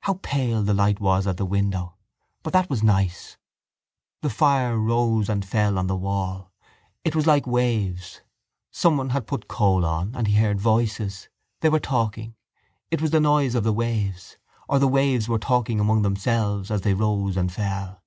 How pale the light was at the window! But that was nice. The fire rose and fell on the wall. It was like waves. Someone had put coal on and he heard voices. They were talking. It was the noise of the waves. Or the waves were talking among themselves as they rose and fell.